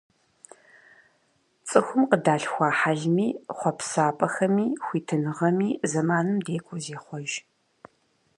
ЦӀыхум къыдалъхуа хьэлми, хъуэпсапӀэхэми, хуитыныгъэми зэманым декӏуу зехъуэж.